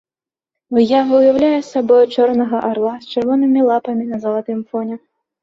Выява ўяўляе сабой чорнага арла з чырвонымі лапамі на залатым фоне.